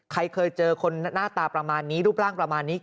ใครเคยเจอคนหน้าตาแบบนี้รูปร่างแบบนี้